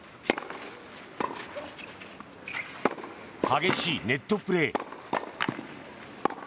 激しいネットプレー。